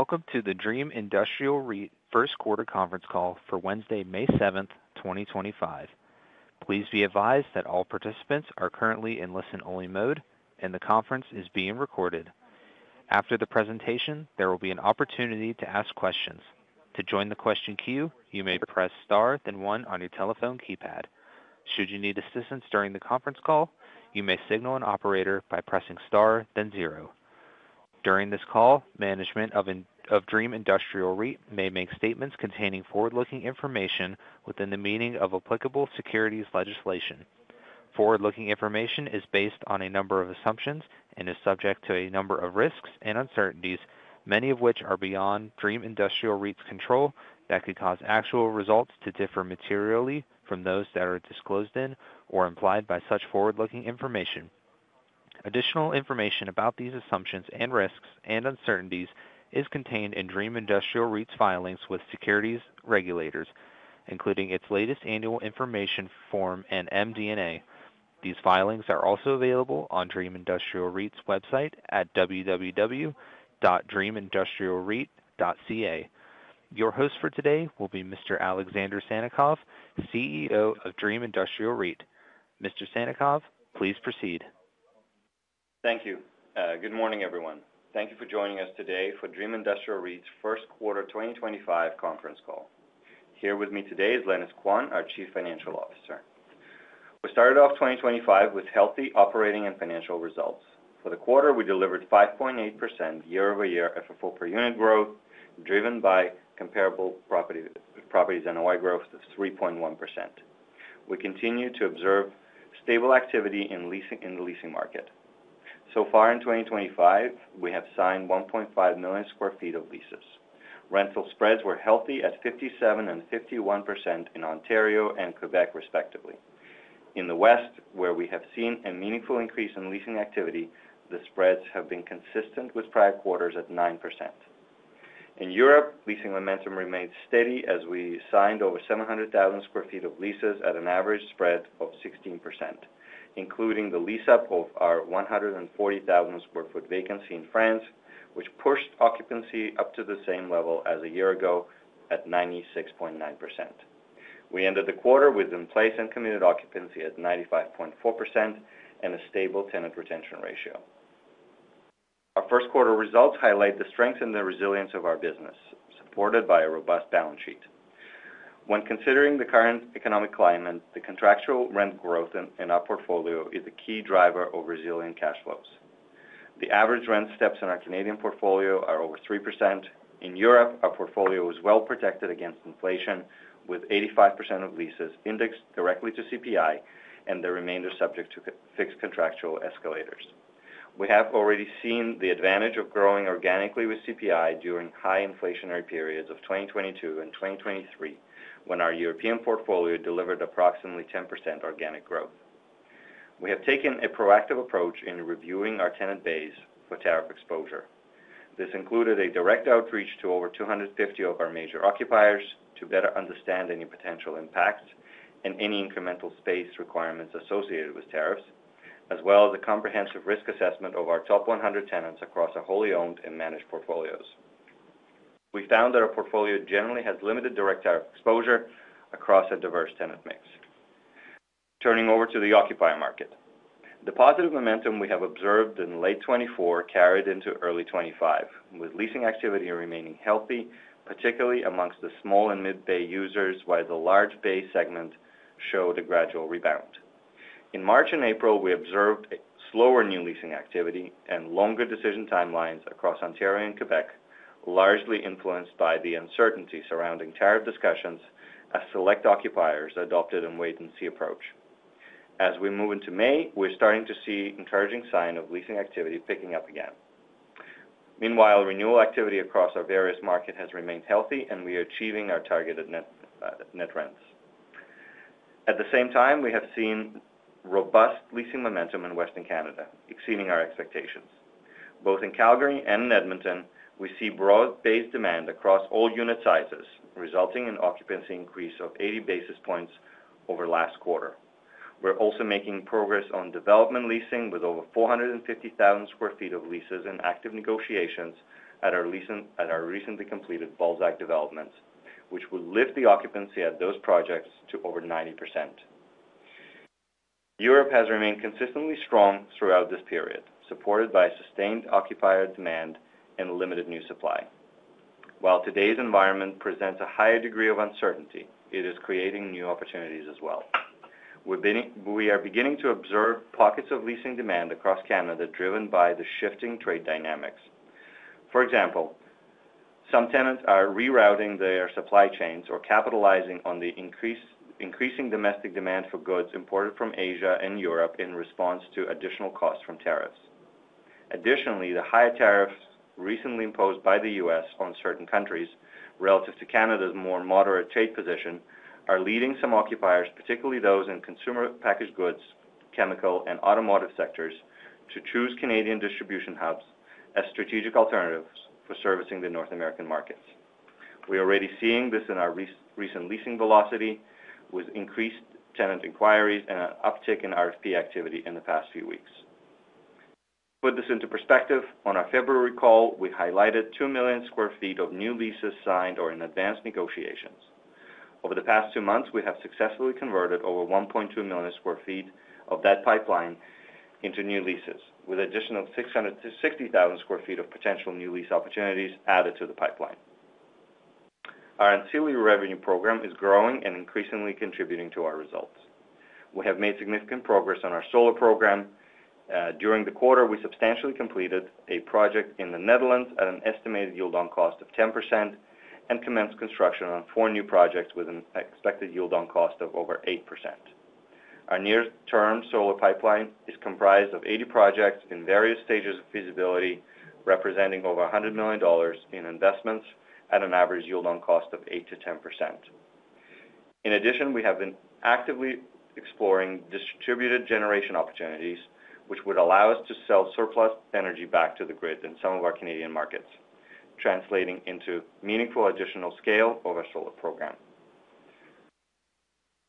Welcome to the Dream Industrial REIT First Quarter Conference Call for Wednesday, May 7th, 2025. Please be advised that all participants are currently in listen-only mode and the conference is being recorded. After the presentation, there will be an opportunity to ask questions. To join the question queue, you may press star then one on your telephone keypad. Should you need assistance during the conference call, you may signal an operator by pressing star then zero. During this call, management of Dream Industrial REIT may make statements containing forward-looking information within the meaning of applicable securities legislation. Forward-looking information is based on a number of assumptions and is subject to a number of risks and uncertainties, many of which are beyond Dream Industrial REIT's control that could cause actual results to differ materially from those that are disclosed in or implied by such forward-looking information. Additional information about these assumptions and risks and uncertainties is contained in Dream Industrial REIT's filings with securities regulators, including its latest annual information form and MD&A. These filings are also available on Dream Industrial REIT's website at www.dreamindustrialreit.ca. Your host for today will be Mr. Alexander Sannikov, CEO of Dream Industrial REIT. Mr. Sannikov, please proceed. Thank you. Good morning, everyone. Thank you for joining us today for Dream Industrial REIT's First Quarter 2025 Conference Call. Here with me today is Lenis Quan, our Chief Financial Officer. We started off 2025 with healthy operating and financial results. For the quarter, we delivered 5.8% year-over-year FFO per unit growth, driven by comparable property NOI growth of 3.1%. We continue to observe stable activity in the leasing market. So far in 2025, we have signed 1.5 million sq ft of leases. Rental spreads were healthy at 57% and 51% in Ontario and Québec, respectively. In the West, where we have seen a meaningful increase in leasing activity, the spreads have been consistent with prior quarters at 9%. In Europe, leasing momentum remained steady as we signed over 700,000 sq ft of leases at an average spread of 16%, including the lease-up of our 140,000 sq ft vacancy in France, which pushed occupancy up to the same level as a year ago at 96.9%. We ended the quarter with in-place and committed occupancy at 95.4% and a stable tenant retention ratio. Our first quarter results highlight the strength and the resilience of our business, supported by a robust balance sheet. When considering the current economic climate, the contractual rent growth in our portfolio is a key driver of resilient cash flows. The average rent steps in our Canadian portfolio are over 3%. In Europe, our portfolio is well protected against inflation, with 85% of leases indexed directly to CPI and the remainder subject to fixed contractual escalators. We have already seen the advantage of growing organically with CPI during high inflationary periods of 2022 and 2023, when our European portfolio delivered approximately 10% organic growth. We have taken a proactive approach in reviewing our tenant base for tariff exposure. This included a direct outreach to over 250 of our major occupiers to better understand any potential impacts and any incremental space requirements associated with tariffs, as well as a comprehensive risk assessment of our top 100 tenants across our wholly owned and managed portfolios. We found that our portfolio generally has limited direct tariff exposure across a diverse tenant mix. Turning over to the occupier market, the positive momentum we have observed in late 2024 carried into early 2025, with leasing activity remaining healthy, particularly amongst the small and mid-bay users, while the large bay segment showed a gradual rebound. In March and April, we observed slower new leasing activity and longer decision timelines across Ontario and Québec, largely influenced by the uncertainty surrounding tariff discussions as select occupiers adopted a wait-and-see approach. As we move into May, we're starting to see encouraging signs of leasing activity picking up again. Meanwhile, renewal activity across our various markets has remained healthy, and we are achieving our targeted net rents. At the same time, we have seen robust leasing momentum in Western Canada, exceeding our expectations. Both in Calgary and Edmonton, we see broad-based demand across all unit sizes, resulting in occupancy increases of 80 basis points over last quarter. We're also making progress on development leasing with over 450,000 sq ft of leases in active negotiations at our recently completed Balzac developments, which will lift the occupancy at those projects to over 90%. Europe has remained consistently strong throughout this period, supported by sustained occupier demand and limited new supply. While today's environment presents a higher degree of uncertainty, it is creating new opportunities as well. We are beginning to observe pockets of leasing demand across Canada, driven by the shifting trade dynamics. For example, some tenants are rerouting their supply chains or capitalizing on the increasing domestic demand for goods imported from Asia and Europe in response to additional costs from tariffs. Additionally, the higher tariffs recently imposed by the U.S. on certain countries relative to Canada's more moderate trade position are leading some occupiers, particularly those in consumer packaged goods, chemical, and automotive sectors, to choose Canadian distribution hubs as strategic alternatives for servicing the North American markets. We are already seeing this in our recent leasing velocity with increased tenant inquiries and an uptick in RFP activity in the past few weeks. To put this into perspective, on our February call, we highlighted 2 million sq ft of new leases signed or in advanced negotiations. Over the past two months, we have successfully converted over 1.2 million sq ft of that pipeline into new leases, with an additional 660,000 sq ft of potential new lease opportunities added to the pipeline. Our ancillary revenue program is growing and increasingly contributing to our results. We have made significant progress on our solar program. During the quarter, we substantially completed a project in the Netherlands at an estimated yield-on-cost of 10% and commenced construction on four new projects with an expected yield-on-cost of over 8%. Our near-term solar pipeline is comprised of 80 projects in various stages of feasibility, representing over 100 million dollars in investments at an average yield-on-cost of 8%-10%. In addition, we have been actively exploring distributed generation opportunities, which would allow us to sell surplus energy back to the grid in some of our Canadian markets, translating into meaningful additional scale of our solar program.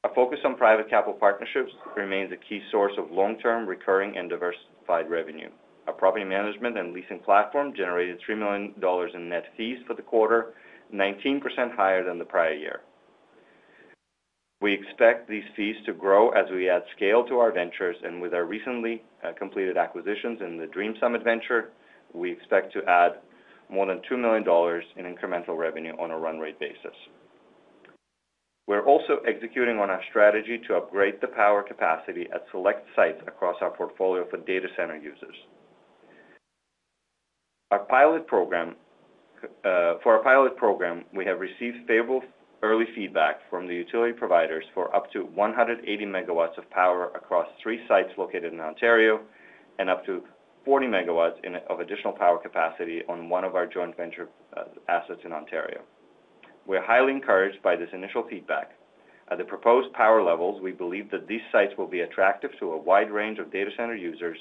Our focus on private capital partnerships remains a key source of long-term recurring and diversified revenue. Our property management and leasing platform generated 3 million dollars in net fees for the quarter, 19% higher than the prior year. We expect these fees to grow as we add scale to our ventures, and with our recently completed acquisitions in the Dream Summit venture, we expect to add more than 2 million dollars in incremental revenue on a run rate basis. We're also executing on our strategy to upgrade the power capacity at select sites across our portfolio for data center users. For our pilot program, we have received favorable early feedback from the utility providers for up to 180 MW of power across three sites located in Ontario and up to 40 MW of additional power capacity on one of our joint venture assets in Ontario. We're highly encouraged by this initial feedback. At the proposed power levels, we believe that these sites will be attractive to a wide range of data center users,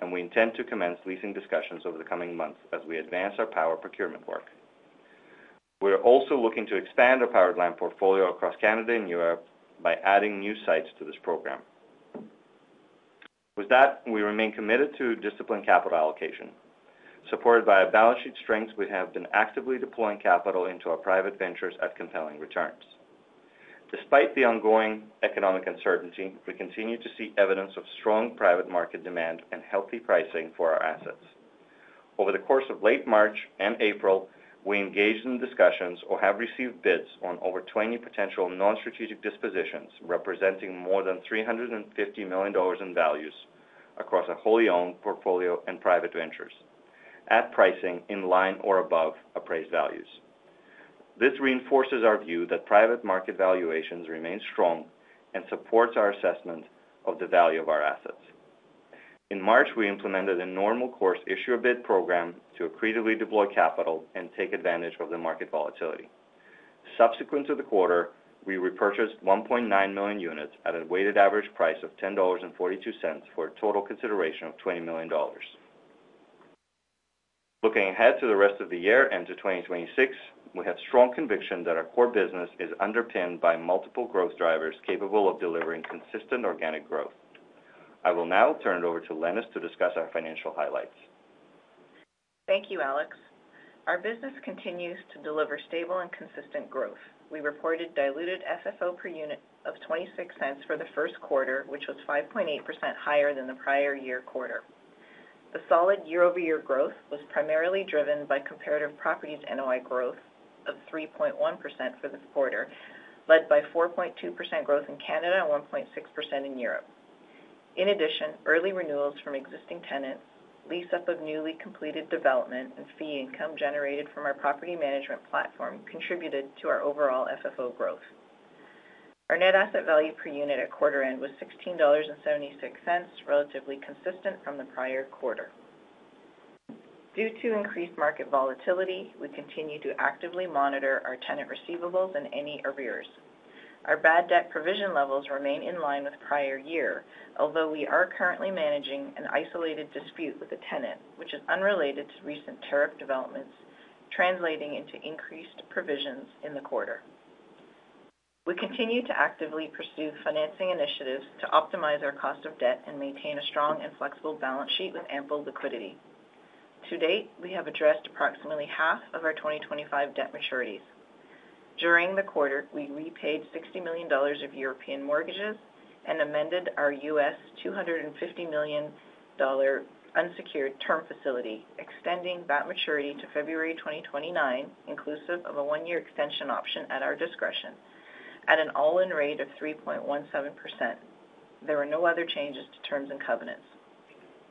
and we intend to commence leasing discussions over the coming months as we advance our power procurement work. We're also looking to expand our power plant portfolio across Canada and Europe by adding new sites to this program. With that, we remain committed to disciplined capital allocation. Supported by our balance sheet strengths, we have been actively deploying capital into our private ventures at compelling returns. Despite the ongoing economic uncertainty, we continue to see evidence of strong private market demand and healthy pricing for our assets. Over the course of late March and April, we engaged in discussions or have received bids on over 20 potential non-strategic dispositions representing more than 350 million dollars in values across our wholly owned portfolio and private ventures, at pricing in line or above appraised values. This reinforces our view that private market valuations remain strong and supports our assessment of the value of our assets. In March, we implemented a normal course issuer bid program to accretively deploy capital and take advantage of the market volatility. Subsequent to the quarter, we repurchased 1.9 million units at a weighted average price of 10.42 dollars for a total consideration of 20 million dollars. Looking ahead to the rest of the year and to 2026, we have strong conviction that our core business is underpinned by multiple growth drivers capable of delivering consistent organic growth. I will now turn it over to Lenis to discuss our financial highlights. Thank you, Alex. Our business continues to deliver stable and consistent growth. We reported diluted FFO per unit of 0.26 for the first quarter, which was 5.8% higher than the prior year quarter. The solid year-over-year growth was primarily driven by comparative properties NOI growth of 3.1% for the quarter, led by 4.2% growth in Canada and 1.6% in Europe. In addition, early renewals from existing tenants, lease-up of newly completed development, and fee income generated from our property management platform contributed to our overall FFO growth. Our net asset value per unit at quarter-end was 16.76 dollars, relatively consistent from the prior quarter. Due to increased market volatility, we continue to actively monitor our tenant receivables and any arrears. Our bad debt provision levels remain in line with prior year, although we are currently managing an isolated dispute with a tenant, which is unrelated to recent tariff developments translating into increased provisions in the quarter. We continue to actively pursue financing initiatives to optimize our cost of debt and maintain a strong and flexible balance sheet with ample liquidity. To date, we have addressed approximately half of our 2025 debt maturities. During the quarter, we repaid EUR 60 million of European mortgages and amended our U.S. $250 million unsecured term facility, extending that maturity to February 2029, inclusive of a one-year extension option at our discretion at an all-in rate of 3.17%. There were no other changes to terms and covenants.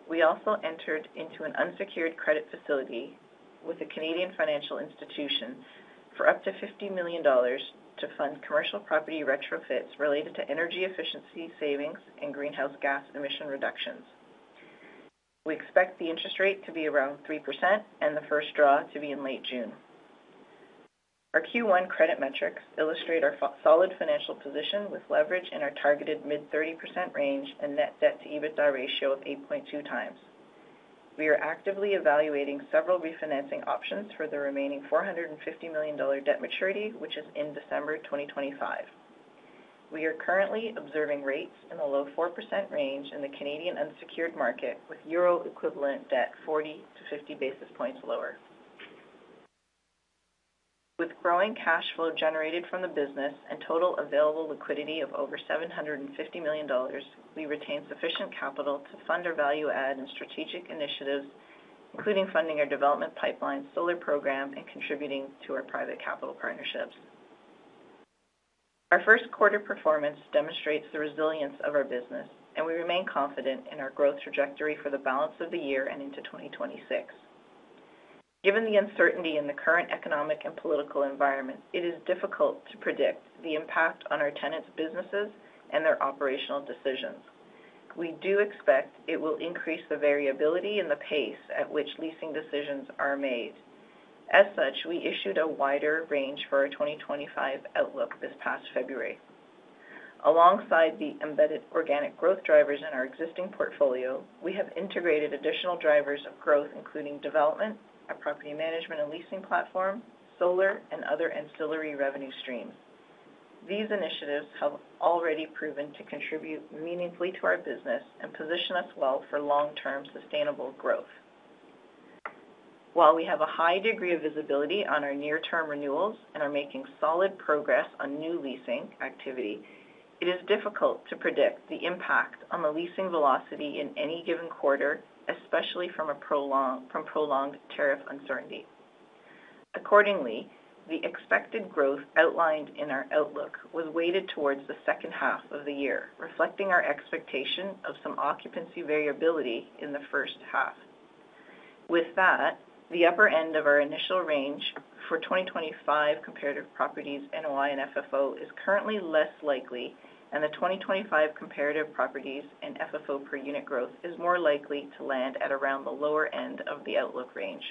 We also entered into an unsecured credit facility with a Canadian financial institution for up to 50 million dollars to fund commercial property retrofits related to energy efficiency savings and greenhouse gas emission reductions. We expect the interest rate to be around 3% and the first draw to be in late June. Our Q1 credit metrics illustrate our solid financial position with leverage in our targeted mid-30% range and net debt-to-EBITDA ratio of 8.2 times. We are actively evaluating several refinancing options for the remaining 450 million dollar debt maturity, which is in December 2025. We are currently observing rates in the low 4% range in the Canadian unsecured market, with euro equivalent debt 40 basis points-50 basis points lower. With growing cash flow generated from the business and total available liquidity of over 750 million dollars, we retain sufficient capital to fund our value-add and strategic initiatives, including funding our development pipeline, solar program, and contributing to our private capital partnerships. Our first quarter performance demonstrates the resilience of our business, and we remain confident in our growth trajectory for the balance of the year and into 2026. Given the uncertainty in the current economic and political environment, it is difficult to predict the impact on our tenants' businesses and their operational decisions. We do expect it will increase the variability and the pace at which leasing decisions are made. As such, we issued a wider range for our 2025 outlook this past February. Alongside the embedded organic growth drivers in our existing portfolio, we have integrated additional drivers of growth, including development, a property management and leasing platform, solar, and other ancillary revenue streams. These initiatives have already proven to contribute meaningfully to our business and position us well for long-term sustainable growth. While we have a high degree of visibility on our near-term renewals and are making solid progress on new leasing activity, it is difficult to predict the impact on the leasing velocity in any given quarter, especially from prolonged tariff uncertainty. Accordingly, the expected growth outlined in our outlook was weighted towards the second half of the year, reflecting our expectation of some occupancy variability in the first half. With that, the upper end of our initial range for 2025 comparative properties NOI and FFO is currently less likely, and the 2025 comparative properties and FFO per unit growth is more likely to land at around the lower end of the outlook range.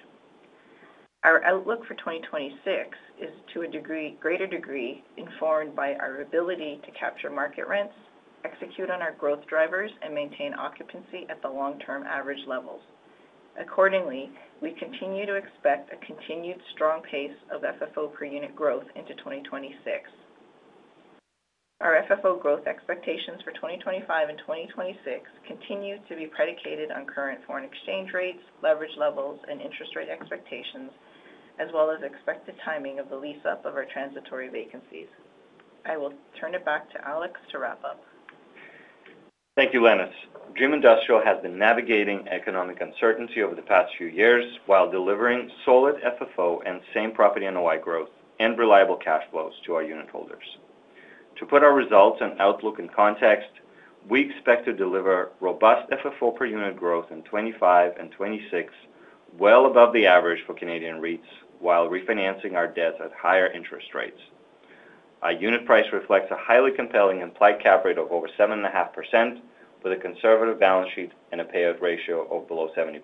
Our outlook for 2026 is to a greater degree informed by our ability to capture market rents, execute on our growth drivers, and maintain occupancy at the long-term average levels. Accordingly, we continue to expect a continued strong pace of FFO per unit growth into 2026. Our FFO growth expectations for 2025 and 2026 continue to be predicated on current foreign exchange rates, leverage levels, and interest rate expectations, as well as expected timing of the lease-up of our transitory vacancies. I will turn it back to Alex to wrap up. Thank you, Lenis. Dream Industrial has been navigating economic uncertainty over the past few years while delivering solid FFO and same property NOI growth and reliable cash flows to our unit holders. To put our results and outlook in context, we expect to deliver robust FFO per unit growth in 2025 and 2026, well above the average for Canadian REITs, while refinancing our debts at higher interest rates. Our unit price reflects a highly compelling implied cap rate of over 7.5% with a conservative balance sheet and a payout ratio of below 70%.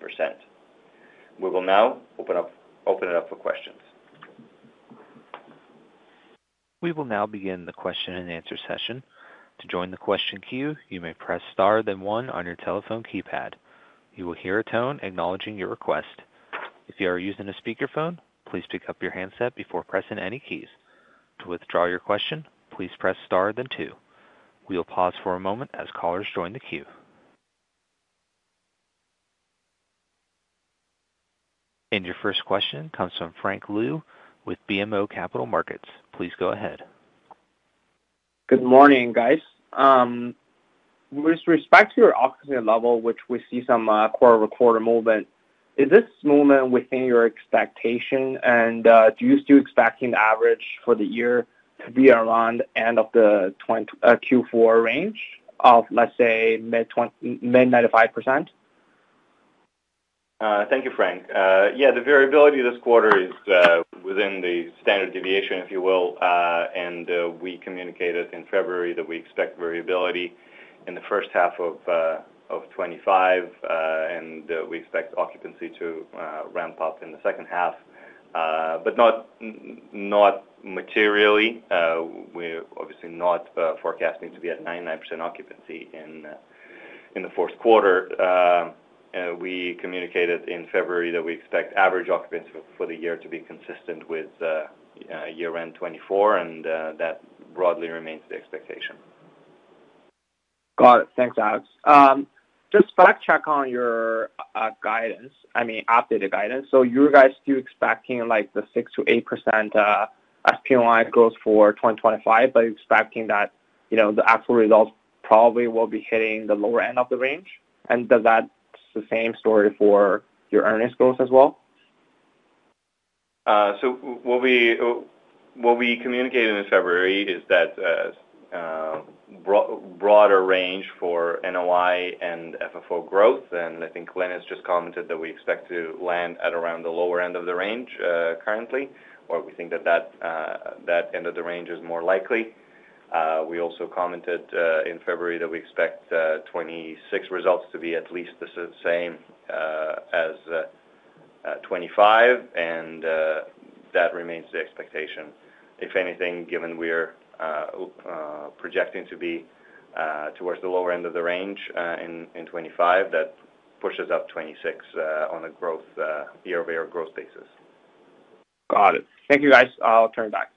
We will now open it up for questions. We will now begin the question-and-answer session. To join the question queue, you may press star then one on your telephone keypad. You will hear a tone acknowledging your request. If you are using a speakerphone, please pick up your handset before pressing any keys. To withdraw your question, please press star then two. We'll pause for a moment as callers join the queue. Your first question comes from Frank Liu with BMO Capital Markets. Please go ahead. Good morning, guys. With respect to your occupancy level, which we see some quarter-over-quarter movement, is this movement within your expectation? Do you still expect the average for the year to be around the end of the Q4 range of, let's say, mid-95%? Thank you, Frank. Yeah, the variability this quarter is within the standard deviation, if you will. We communicated in February that we expect variability in the first half of 2025, and we expect occupancy to ramp up in the second half, but not materially. We're obviously not forecasting to be at 99% occupancy in the fourth quarter. We communicated in February that we expect average occupancy for the year to be consistent with year-end 2024, and that broadly remains the expectation. Got it. Thanks, Alex. Just to fact-check on your guidance, I mean, updated guidance, so you guys still expecting the 6%-8% FPOY growth for 2025, but expecting that the actual results probably will be hitting the lower end of the range. And that's the same story for your earnings growth as well? What we communicated in February is that broader range for NOI and FFO growth. I think Lenis just commented that we expect to land at around the lower end of the range currently, or we think that that end of the range is more likely. We also commented in February that we expect 2026 results to be at least the same as 2025, and that remains the expectation. If anything, given we're projecting to be towards the lower end of the range in 2025, that pushes up 2026 on a year-over-year growth basis. Got it. Thank you, guys. I'll turn it back.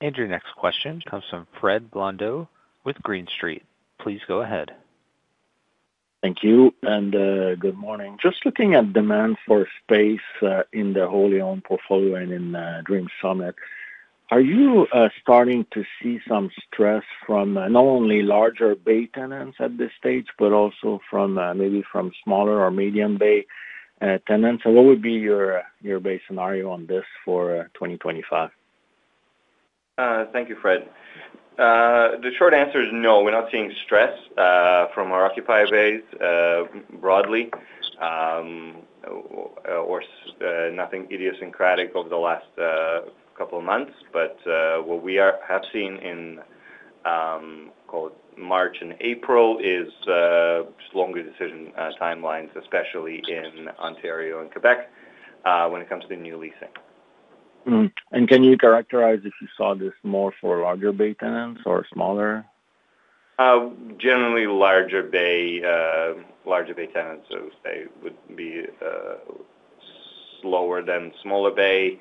Your next question comes from Fred Blondeau with Green Street. Please go ahead. Thank you, and good morning. Just looking at demand for space in the wholly owned portfolio and in Dream Summit, are you starting to see some stress from not only larger bay tenants at this stage, but also maybe from smaller or medium bay tenants? What would be your base scenario on this for 2025? Thank you, Fred. The short answer is no. We're not seeing stress from our occupied bays broadly or nothing idiosyncratic over the last couple of months. What we have seen in March and April is longer decision timelines, especially in Ontario and Québec, when it comes to new leasing. Can you characterize if you saw this more for larger bay tenants or smaller? Generally, larger bay tenants, I would say, would be slower than smaller bay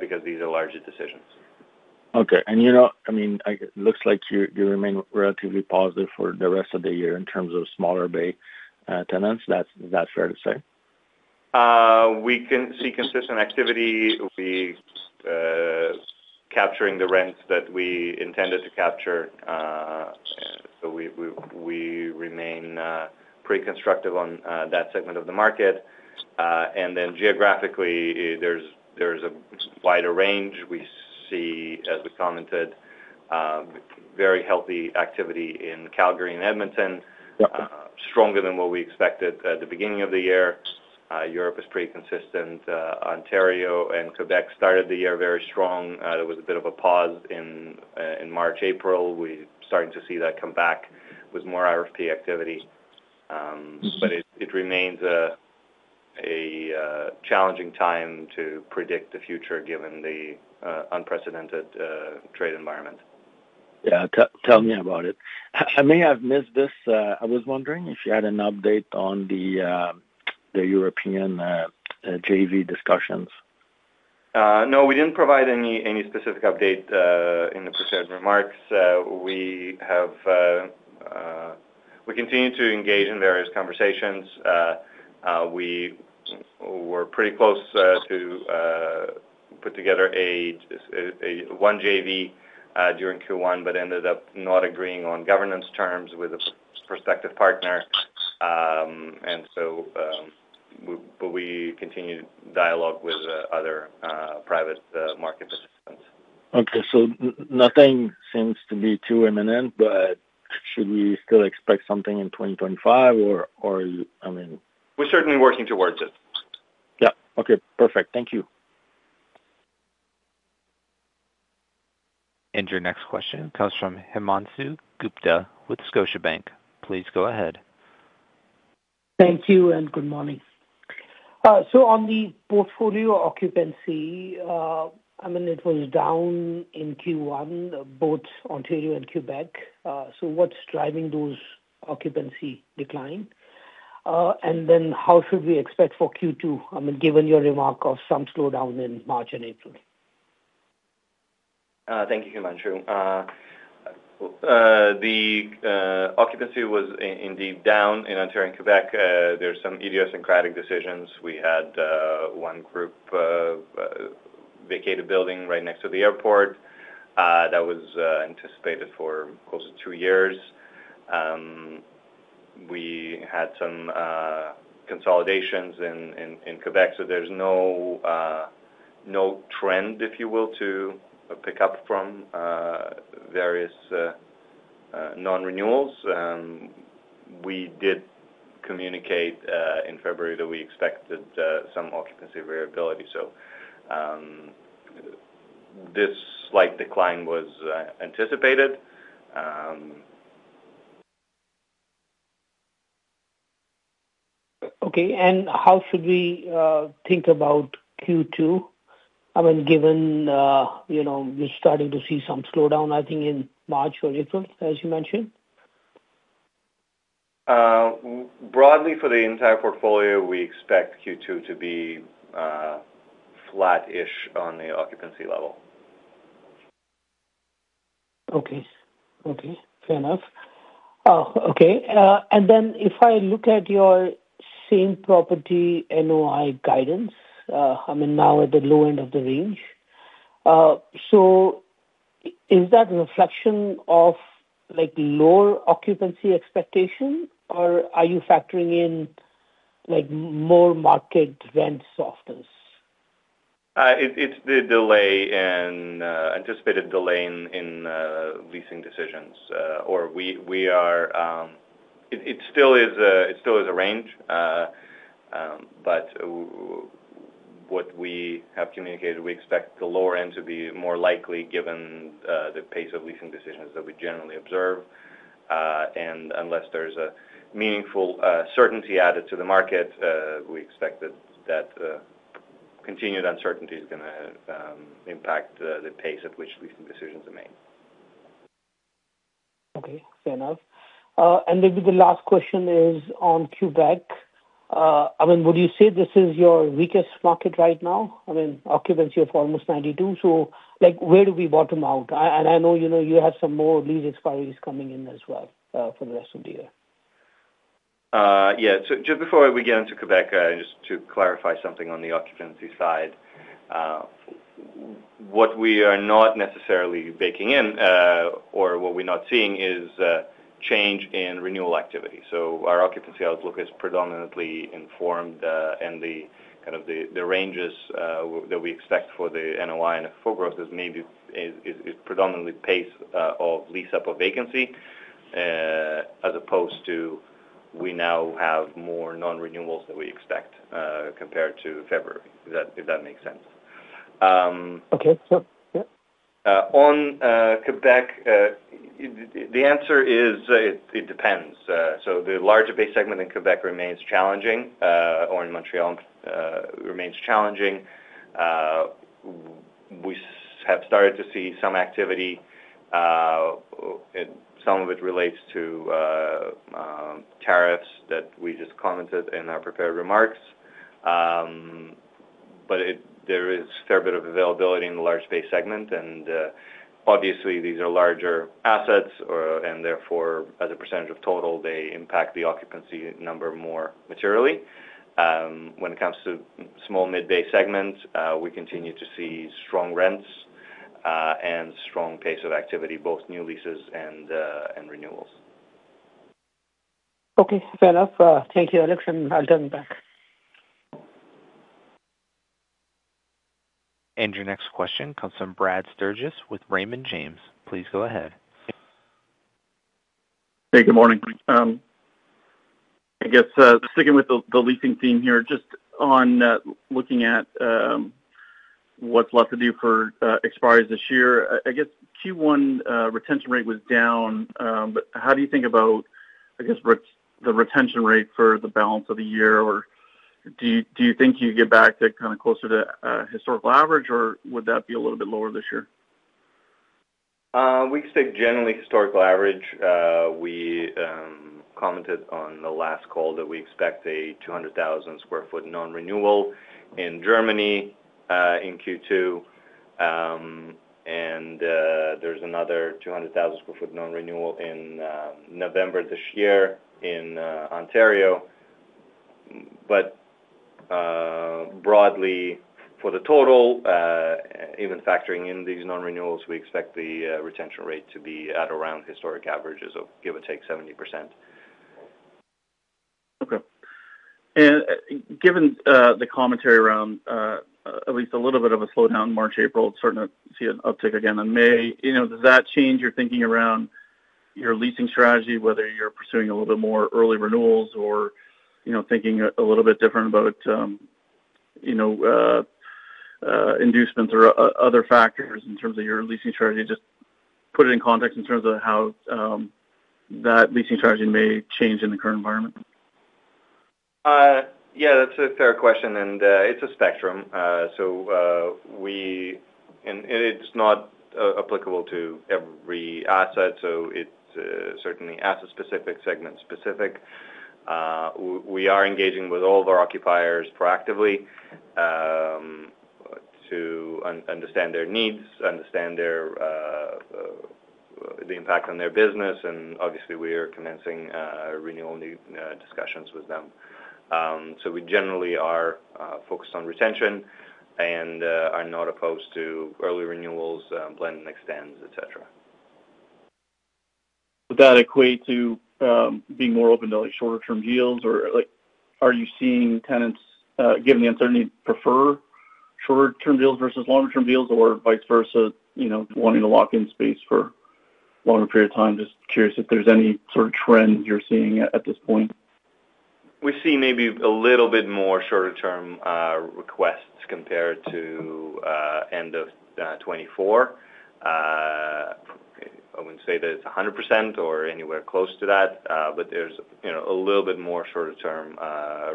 because these are larger decisions. Okay. I mean, it looks like you remain relatively positive for the rest of the year in terms of smaller bay tenants. Is that fair to say? We can see consistent activity. We are capturing the rents that we intended to capture, so we remain pretty constructive on that segment of the market. Geographically, there's a wider range. We see, as we commented, very healthy activity in Calgary and Edmonton, stronger than what we expected at the beginning of the year. Europe is pretty consistent. Ontario and Québec started the year very strong. There was a bit of a pause in March-April. We're starting to see that come back with more RFP activity. It remains a challenging time to predict the future given the unprecedented trade environment. Yeah, tell me about it. I may have missed this. I was wondering if you had an update on the European JV discussions. No, we did not provide any specific update in the prepared remarks. We continue to engage in various conversations. We were pretty close to put together a one JV during Q1, but ended up not agreeing on governance terms with a prospective partner. We continue dialogue with other private market participants. Okay. Nothing seems to be too imminent, but should we still expect something in 2025, or, I mean? We're certainly working towards it. Yeah. Okay. Perfect. Thank you. Your next question comes from Himanshu Gupta with Scotiabank. Please go ahead. Thank you and good morning. On the portfolio occupancy, I mean, it was down in Q1, both Ontario and Québec. What's driving those occupancy declines? How should we expect for Q2, I mean, given your remark of some slowdown in March and April? Thank you, Himanshu. The occupancy was indeed down in Ontario and Québec. There are some idiosyncratic decisions. We had one group vacate a building right next to the airport. That was anticipated for close to two years. We had some consolidations in Québec, so there's no trend, if you will, to pick up from various non-renewals. We did communicate in February that we expected some occupancy variability. This slight decline was anticipated. Okay. How should we think about Q2, I mean, given we're starting to see some slowdown, I think, in March or April, as you mentioned? Broadly, for the entire portfolio, we expect Q2 to be flat-ish on the occupancy level. Okay. Okay. Fair enough. Okay. And then if I look at your same property NOI guidance, I mean, now at the low end of the range, is that a reflection of lower occupancy expectation, or are you factoring in more market rent softness? It's the anticipated delay in leasing decisions. It still is a range, but what we have communicated, we expect the lower end to be more likely given the pace of leasing decisions that we generally observe. Unless there's a meaningful certainty added to the market, we expect that continued uncertainty is going to impact the pace at which leasing decisions are made. Okay. Fair enough. Maybe the last question is on Québec. I mean, would you say this is your weakest market right now? I mean, occupancy of almost 92%. Where do we bottom out? I know you have some more lease expiry coming in as well for the rest of the year. Yeah. Just before we get into Québec, just to clarify something on the occupancy side, what we are not necessarily baking in or what we're not seeing is change in renewal activity. Our occupancy outlook is predominantly informed, and kind of the ranges that we expect for the NOI and FFO growth is maybe predominantly pace of lease-up of vacancy as opposed to we now have more non-renewals that we expect compared to February, if that makes sense. Okay. Sure. Yeah. On Québec, the answer is it depends. The larger bay segment in Québec remains challenging, or in Montréal, remains challenging. We have started to see some activity. Some of it relates to tariffs that we just commented in our prepared remarks. There is a fair bit of availability in the large bay segment. Obviously, these are larger assets, and therefore, as a percentage of total, they impact the occupancy number more materially. When it comes to small mid-bay segments, we continue to see strong rents and strong pace of activity, both new leases and renewals. Okay. Fair enough. Thank you, Alex. I'll turn it back. Your next question comes from Brad Sturges with Raymond James. Please go ahead. Hey, good morning. I guess sticking with the leasing team here, just on looking at what's left to do for expires this year, I guess Q1 retention rate was down. How do you think about, I guess, the retention rate for the balance of the year? Do you think you get back to kind of closer to a historical average, or would that be a little bit lower this year? We expect generally historical average. We commented on the last call that we expect a 200,000 sq ft non-renewal in Germany in Q2. There is another 200,000 sq ft non-renewal in November this year in Ontario. Broadly, for the total, even factoring in these non-renewals, we expect the retention rate to be at around historic averages of give or take 70%. Okay. Given the commentary around at least a little bit of a slowdown in March-April, certainly see an uptick again in May, does that change your thinking around your leasing strategy, whether you're pursuing a little bit more early renewals or thinking a little bit different about inducements or other factors in terms of your leasing strategy? Just put it in context in terms of how that leasing strategy may change in the current environment. Yeah, that's a fair question. It's a spectrum. It's not applicable to every asset, so it's certainly asset-specific, segment-specific. We are engaging with all of our occupiers proactively to understand their needs, understand the impact on their business. Obviously, we are commencing renewal discussions with them. We generally are focused on retention and are not opposed to early renewals, blend and extends, etc. Would that equate to being more open to shorter-term deals, or are you seeing tenants, given the uncertainty, prefer shorter-term deals versus longer-term deals, or vice versa, wanting to lock in space for a longer period of time? Just curious if there's any sort of trend you're seeing at this point. We see maybe a little bit more shorter-term requests compared to end of 2024. I would not say that it is 100% or anywhere close to that, but there is a little bit more shorter-term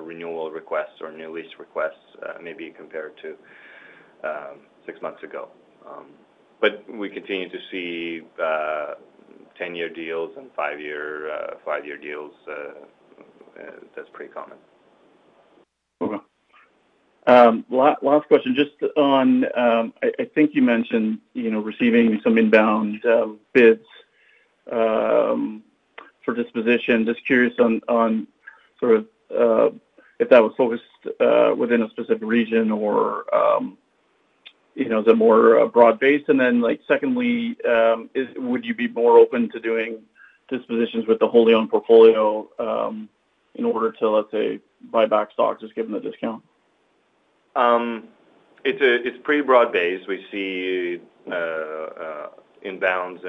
renewal requests or new lease requests maybe compared to six months ago. We continue to see 10-year deals and five-year deals. That is pretty common. Okay. Last question. Just on I think you mentioned receiving some inbound bids for disposition. Just curious on sort of if that was focused within a specific region or is it more broad-based? Secondly, would you be more open to doing dispositions with the wholly owned portfolio in order to, let's say, buy back stocks just given the discount? It's pretty broad-based. We see inbounds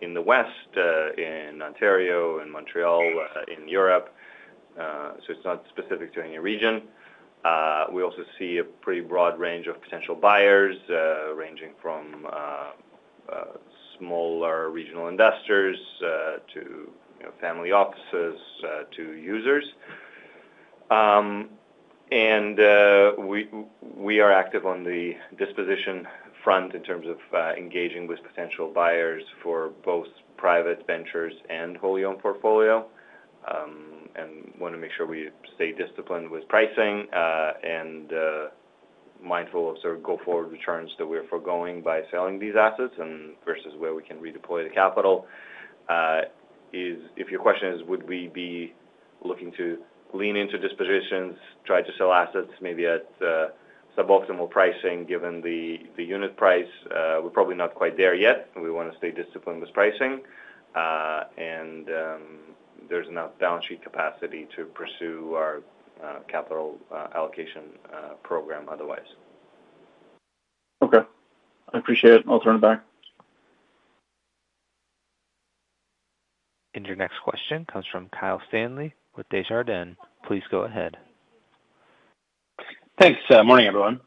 in the West, in Ontario, in Montréal, in Europe. It is not specific to any region. We also see a pretty broad range of potential buyers ranging from smaller regional investors to family offices to users. We are active on the disposition front in terms of engaging with potential buyers for both private ventures and wholly owned portfolio. We want to make sure we stay disciplined with pricing and mindful of sort of go-forward returns that we're foregoing by selling these assets versus where we can redeploy the capital. If your question is, would we be looking to lean into dispositions, try to sell assets maybe at suboptimal pricing given the unit price, we're probably not quite there yet. We want to stay disciplined with pricing. There is enough balance sheet capacity to pursue our capital allocation program otherwise. Okay. I appreciate it. I'll turn it back. Your next question comes from Kyle Stanley with Desjardins. Please go ahead. Thanks. Morning, everyone.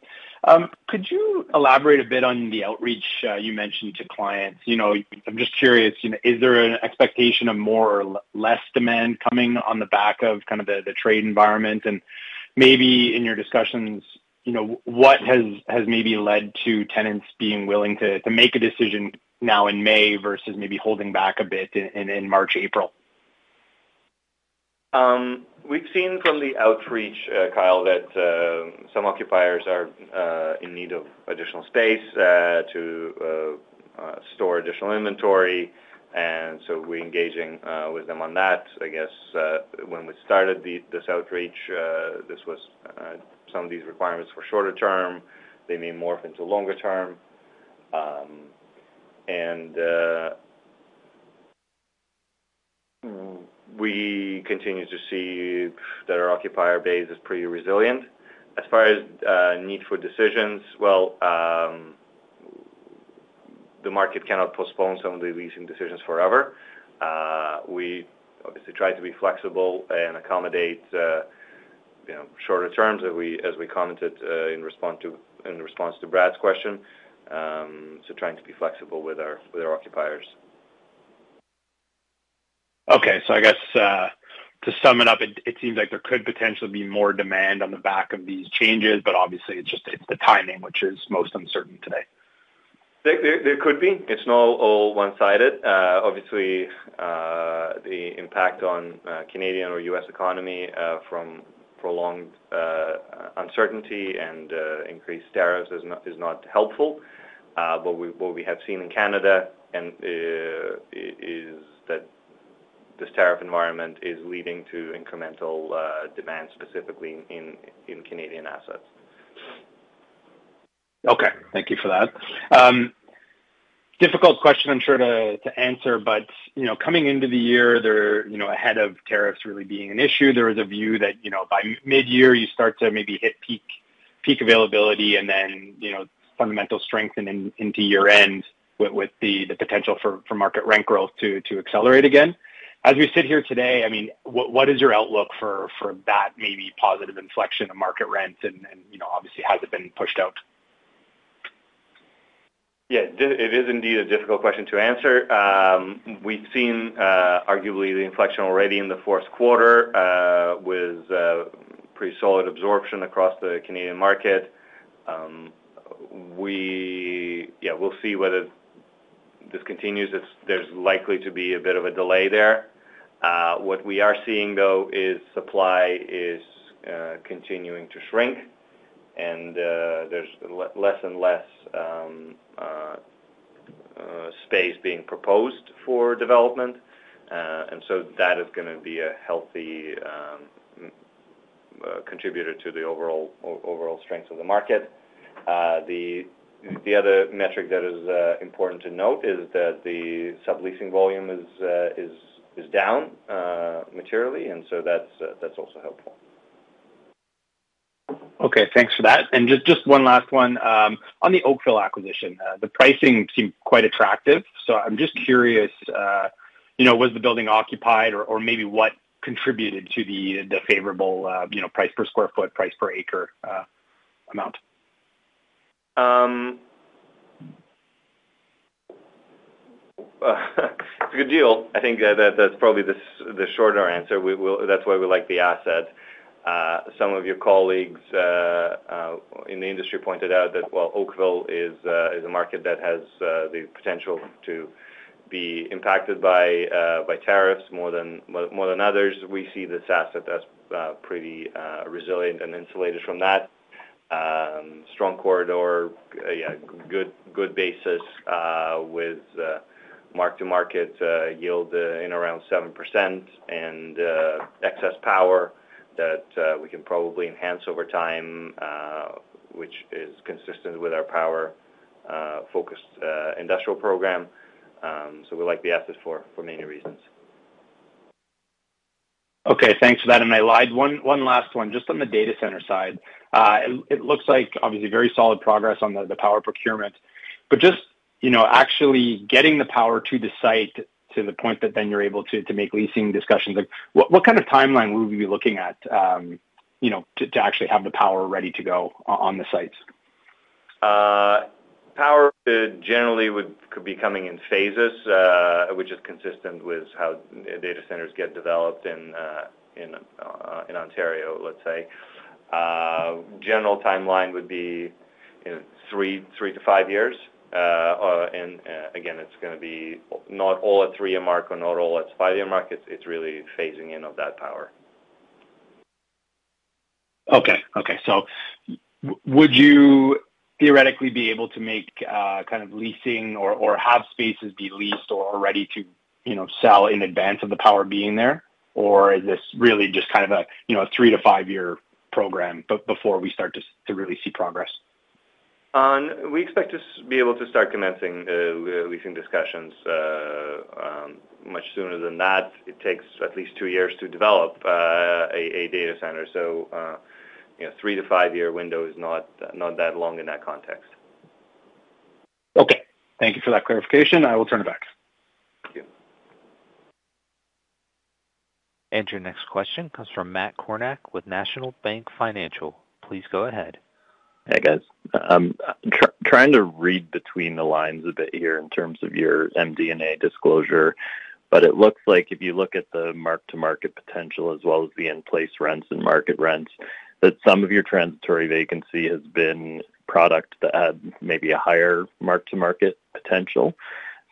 Could you elaborate a bit on the outreach you mentioned to clients? I'm just curious, is there an expectation of more or less demand coming on the back of kind of the trade environment? Maybe in your discussions, what has maybe led to tenants being willing to make a decision now in May versus maybe holding back a bit in March-April? We have seen from the outreach, Kyle, that some occupiers are in need of additional space to store additional inventory. We are engaging with them on that. I guess when we started this outreach, this was some of these requirements for shorter term. They may morph into longer term. We continue to see that our occupier base is pretty resilient. As far as need for decisions, the market cannot postpone some of the leasing decisions forever. We obviously try to be flexible and accommodate shorter terms as we commented in response to Brad's question. Trying to be flexible with our occupiers. Okay. I guess to sum it up, it seems like there could potentially be more demand on the back of these changes, but obviously, it's the timing, which is most uncertain today. There could be. It's not all one-sided. Obviously, the impact on Canadian or U.S. economy from prolonged uncertainty and increased tariffs is not helpful. What we have seen in Canada is that this tariff environment is leading to incremental demand specifically in Canadian assets. Okay. Thank you for that. Difficult question, I'm sure, to answer, but coming into the year, ahead of tariffs really being an issue, there is a view that by mid-year, you start to maybe hit peak availability and then fundamentals strengthen into year-end with the potential for market rent growth to accelerate again. As we sit here today, I mean, what is your outlook for that maybe positive inflection of market rents? Obviously, has it been pushed out? Yeah. It is indeed a difficult question to answer. We've seen arguably the inflection already in the fourth quarter with pretty solid absorption across the Canadian market. Yeah, we'll see whether this continues. There is likely to be a bit of a delay there. What we are seeing, though, is supply is continuing to shrink, and there is less and less space being proposed for development. That is going to be a healthy contributor to the overall strength of the market. The other metric that is important to note is that the subleasing volume is down materially, and that is also helpful. Okay. Thanks for that. Just one last one. On the Oakville acquisition, the pricing seemed quite attractive. I'm just curious, was the building occupied, or maybe what contributed to the favorable price per square foot, price per acre amount? It's a good deal. I think that's probably the shorter answer. That's why we like the asset. Some of your colleagues in the industry pointed out that Oakville is a market that has the potential to be impacted by tariffs more than others. We see this asset as pretty resilient and insulated from that. Strong corridor, good basis with mark-to-market yield in around 7% and excess power that we can probably enhance over time, which is consistent with our power-focused industrial program. We like the asset for many reasons. Okay. Thanks for that. I lied. One last one. Just on the data center side, it looks like obviously very solid progress on the power procurement. But just actually getting the power to the site to the point that then you're able to make leasing discussions, what kind of timeline will we be looking at to actually have the power ready to go on the sites? Power generally could be coming in phases, which is consistent with how data centers get developed in Ontario, let's say. General timeline would be three to five years. Again, it's going to be not all at the three-year mark or not all at the five-year mark. It's really phasing in of that power. Okay. Okay. So would you theoretically be able to make kind of leasing or have spaces be leased or ready to sell in advance of the power being there? Or is this really just kind of a three- to five-year program before we start to really see progress? We expect to be able to start commencing leasing discussions much sooner than that. It takes at least two years to develop a data center. So three- to five-year window is not that long in that context. Okay. Thank you for that clarification. I will turn it back. Thank you. Your next question comes from Matt Kornak with National Bank Financial. Please go ahead. Hey, guys. I'm trying to read between the lines a bit here in terms of your MD&A disclosure, but it looks like if you look at the mark-to-market potential as well as the in-place rents and market rents, that some of your transitory vacancy has been product that had maybe a higher mark-to-market potential.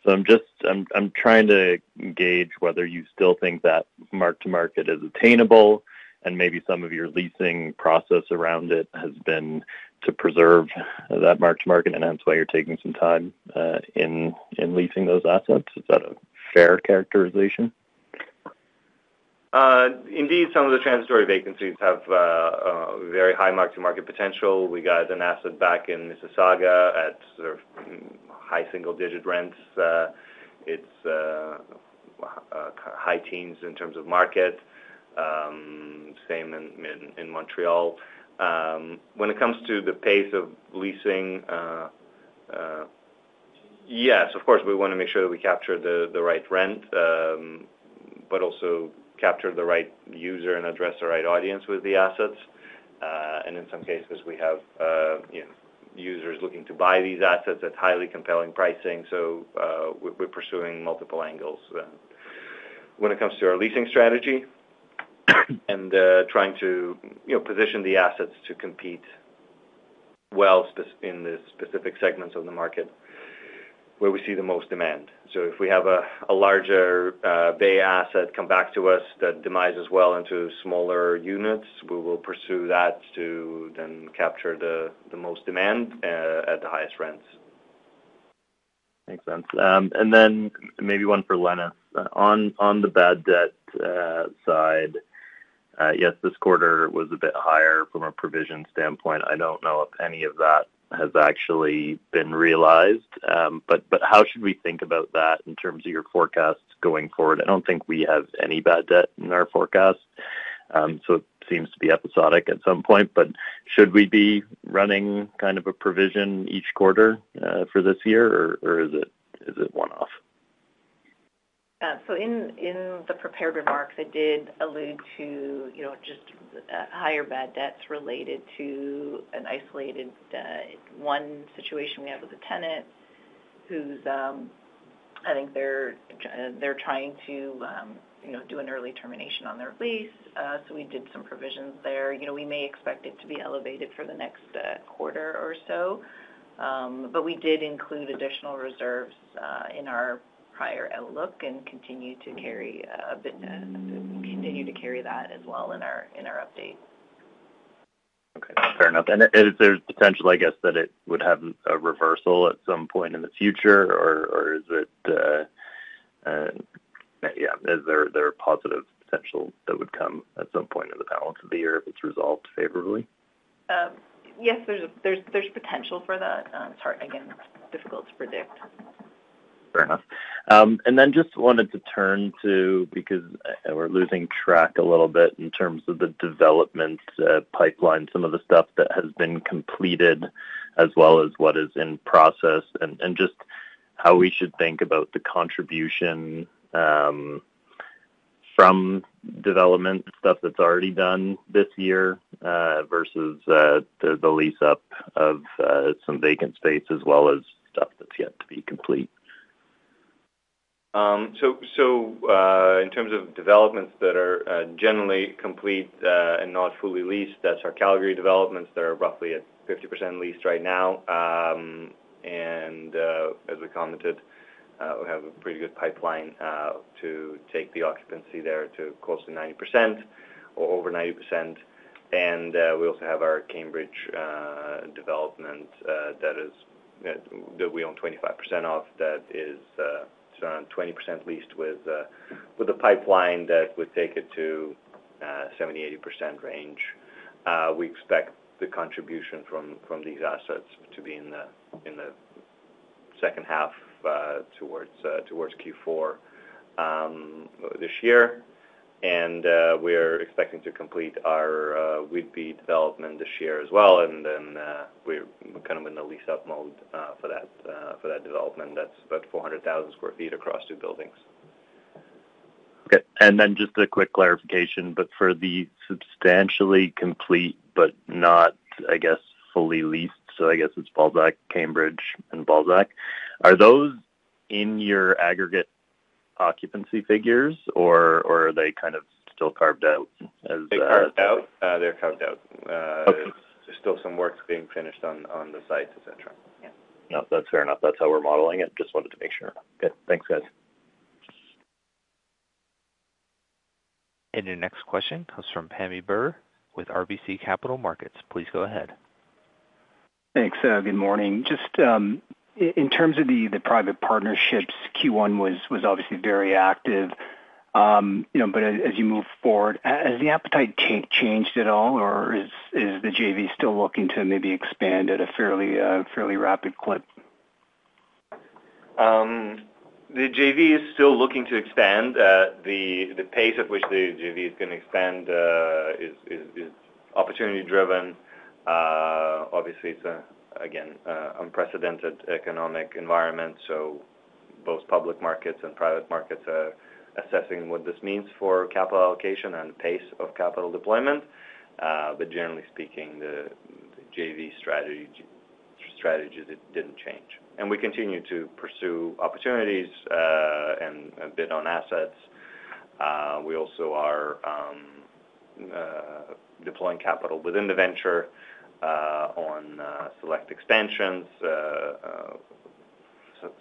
I'm trying to gauge whether you still think that mark-to-market is attainable and maybe some of your leasing process around it has been to preserve that mark-to-market, and that's why you're taking some time in leasing those assets. Is that a fair characterization? Indeed, some of the transitory vacancies have very high mark-to-market potential. We got an asset back in Mississauga at sort of high single-digit rents. It is high teens in terms of market. Same in Montréal. When it comes to the pace of leasing, yes, of course, we want to make sure that we capture the right rent, but also capture the right user and address the right audience with the assets. In some cases, we have users looking to buy these assets at highly compelling pricing. We are pursuing multiple angles when it comes to our leasing strategy and trying to position the assets to compete well in the specific segments of the market where we see the most demand. If we have a larger bay asset come back to us that demises well into smaller units, we will pursue that to then capture the most demand at the highest rents. Makes sense. Maybe one for Lenis. On the bad debt side, yes, this quarter was a bit higher from a provision standpoint. I do not know if any of that has actually been realized. How should we think about that in terms of your forecasts going forward? I do not think we have any bad debt in our forecast. It seems to be episodic at some point. Should we be running kind of a provision each quarter for this year, or is it one-off? In the prepared remarks, I did allude to just higher bad debts related to an isolated one situation we have with a tenant who's, I think they're trying to do an early termination on their lease. We did some provisions there. We may expect it to be elevated for the next quarter or so. We did include additional reserves in our prior outlook and continue to carry that as well in our update. Okay. Fair enough. Is there potential, I guess, that it would have a reversal at some point in the future, or is it, yeah, is there a positive potential that would come at some point in the balance of the year if it's resolved favorably? Yes, there's potential for that. It's hard, again, difficult to predict. Fair enough. I just wanted to turn to, because we're losing track a little bit in terms of the development pipeline, some of the stuff that has been completed as well as what is in process, and just how we should think about the contribution from development, stuff that's already done this year versus the lease-up of some vacant space as well as stuff that's yet to be complete. In terms of developments that are generally complete and not fully leased, that's our Calgary developments. They're roughly at 50% leased right now. As we commented, we have a pretty good pipeline to take the occupancy there to close to 90% or over 90%. We also have our Cambridge development that we own 25% of that is around 20% leased with a pipeline that would take it to the 70%-80% range. We expect the contribution from these assets to be in the second half towards Q4 this year. We're expecting to complete our Whitby development this year as well. We're kind of in the lease-up mode for that development. That's about 400,000 sq ft across two buildings. Okay. And then just a quick clarification, but for the substantially complete but not, I guess, fully leased, so I guess it's Balzac, Cambridge, and Balzac, are those in your aggregate occupancy figures, or are they kind of still carved out as? They're carved out. There's still some work being finished on the site, etc. Yeah. That's fair enough. That's how we're modeling it. Just wanted to make sure. Okay. Thanks, guys. Your next question comes from Pammi Bir with RBC Capital Markets. Please go ahead. Thanks. Good morning. Just in terms of the private partnerships, Q1 was obviously very active. As you move forward, has the appetite changed at all, or is the JV still looking to maybe expand at a fairly rapid clip? The JV is still looking to expand. The pace at which the JV is going to expand is opportunity-driven. Obviously, it's again an unprecedented economic environment. Both public markets and private markets are assessing what this means for capital allocation and pace of capital deployment. Generally speaking, the JV strategies didn't change. We continue to pursue opportunities and bid on assets. We also are deploying capital within the venture on select expansions,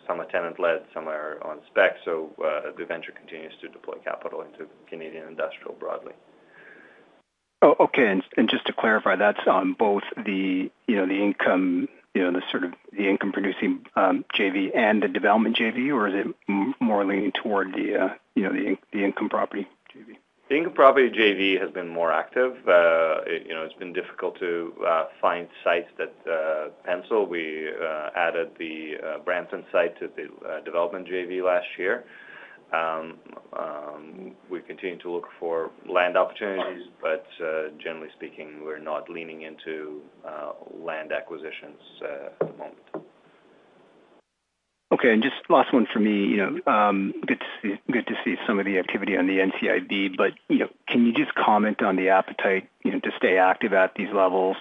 some are tenant-led, some are on spec. The venture continues to deploy capital into Canadian industrial broadly. Oh, okay. And just to clarify, that's on both the income, sort of the income-producing JV and the development JV, or is it more leaning toward the income property JV? The income property JV has been more active. It's been difficult to find sites that pencil. We added the Brampton site to the development JV last year. We continue to look for land opportunities, but generally speaking, we're not leaning into land acquisitions at the moment. Okay. And just last one for me. Good to see some of the activity on the NCIB, but can you just comment on the appetite to stay active at these levels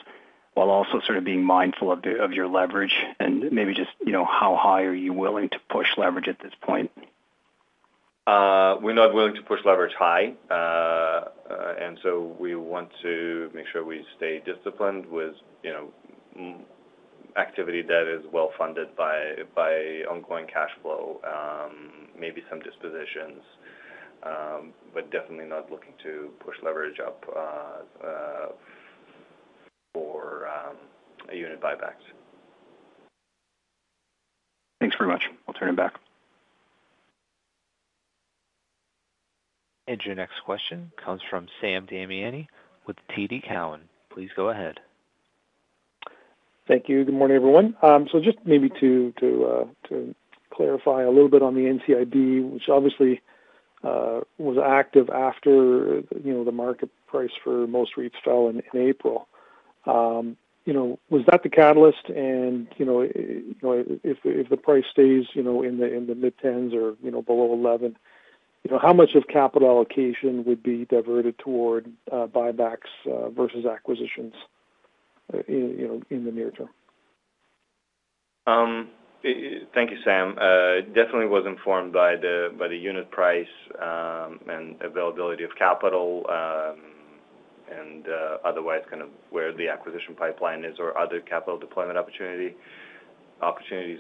while also sort of being mindful of your leverage and maybe just how high are you willing to push leverage at this point? We're not willing to push leverage high. We want to make sure we stay disciplined with activity that is well-funded by ongoing cash flow, maybe some dispositions, but definitely not looking to push leverage up for unit buybacks. Thanks very much. I'll turn it back. Your next question comes from Sam Damiani with TD Cowen. Please go ahead. Thank you. Good morning, everyone. Just maybe to clarify a little bit on the NCIB, which obviously was active after the market price for most REITs fell in April. Was that the catalyst? If the price stays in the mid-CAD 10 or below 11, how much of capital allocation would be diverted toward buybacks versus acquisitions in the near term? Thank you, Sam. Definitely was informed by the unit price and availability of capital and otherwise kind of where the acquisition pipeline is or other capital deployment opportunities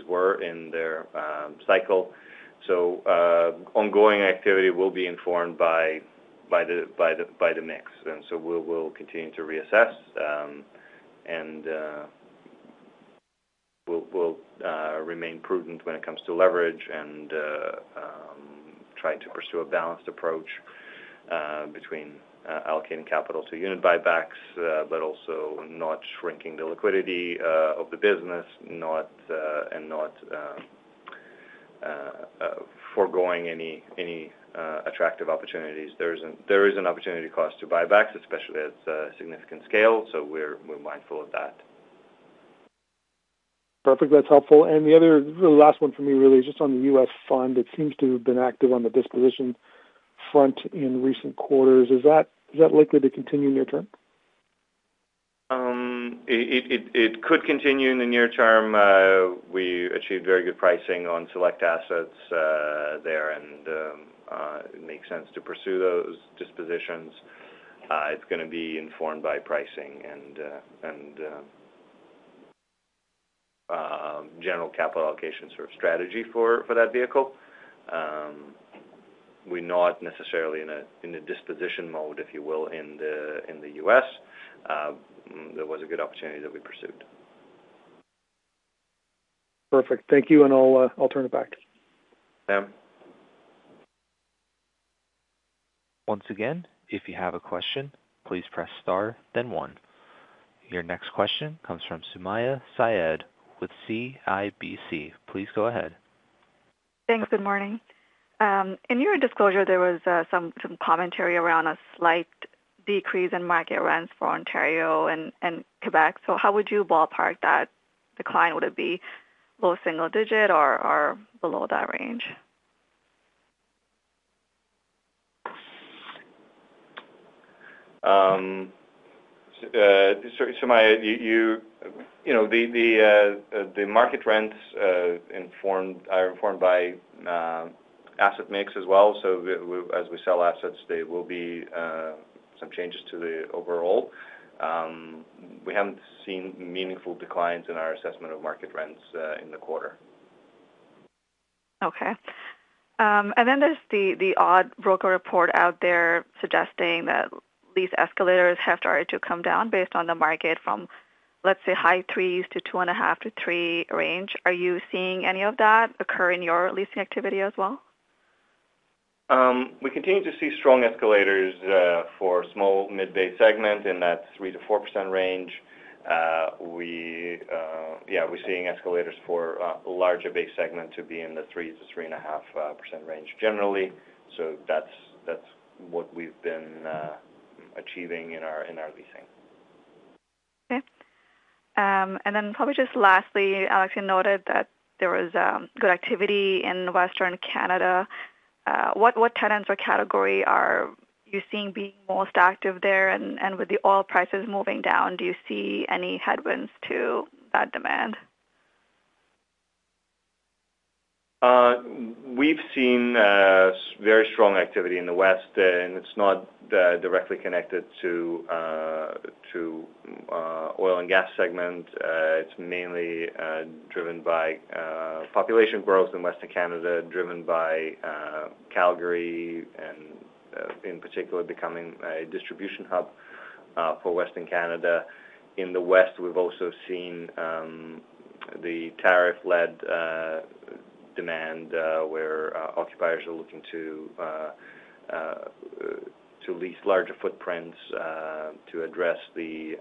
were in their cycle. Ongoing activity will be informed by the mix. We will continue to reassess and we will remain prudent when it comes to leverage and try to pursue a balanced approach between allocating capital to unit buybacks, but also not shrinking the liquidity of the business and not foregoing any attractive opportunities. There is an opportunity cost to buybacks, especially at significant scale. We are mindful of that. Perfect. That's helpful. The last one for me really is just on the U.S. fund. It seems to have been active on the disposition front in recent quarters. Is that likely to continue near term? It could continue in the near term. We achieved very good pricing on select assets there, and it makes sense to pursue those dispositions. It is going to be informed by pricing and general capital allocation sort of strategy for that vehicle. We are not necessarily in a disposition mode, if you will, in the U.S. There was a good opportunity that we pursued. Perfect. Thank you. I'll turn it back. Sam. Once again, if you have a question, please press star, then one. Your next question comes from Sumayya Syed with CIBC. Please go ahead. Thanks. Good morning. In your disclosure, there was some commentary around a slight decrease in market rents for Ontario and Québec. How would you ballpark that decline? Would it be low single digit or below that range? Sumaya, the market rents are informed by asset mix as well. As we sell assets, there will be some changes to the overall. We have not seen meaningful declines in our assessment of market rents in the quarter. Okay. Then there is the odd broker report out there suggesting that lease escalators have started to come down based on the market from, let's say, high 3% to 2.5%-3% range. Are you seeing any of that occur in your leasing activity as well? We continue to see strong escalators for small mid-bay segment in that 3%-4% range. Yeah, we're seeing escalators for a larger bay segment to be in the 3%-3.5% range generally. So that's what we've been achieving in our leasing. Okay. And then probably just lastly, Alex, you noted that there was good activity in Western Canada. What tenants or category are you seeing being most active there? With the oil prices moving down, do you see any headwinds to that demand? We've seen very strong activity in the west, and it's not directly connected to the oil and gas segment. It's mainly driven by population growth in Western Canada, driven by Calgary and, in particular, becoming a distribution hub for Western Canada. In the west, we've also seen the tariff-led demand where occupiers are looking to lease larger footprints to address the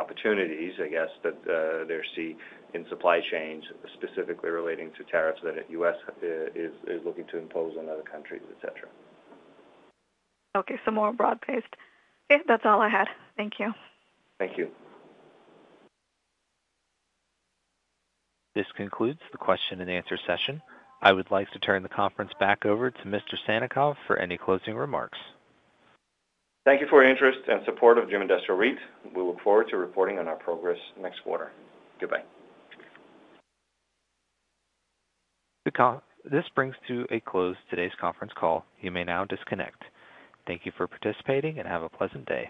opportunities, I guess, that they see in supply chains, specifically relating to tariffs that the U.S. is looking to impose on other countries, etc. Okay. So more broad-based. Okay. That's all I had. Thank you. Thank you. This concludes the question-and-answer session. I would like to turn the conference back over to Mr. Sannikov for any closing remarks. Thank you for your interest and support of Dream Industrial REIT. We look forward to reporting on our progress next quarter. Goodbye. This brings to a close today's conference call. You may now disconnect. Thank you for participating and have a pleasant day.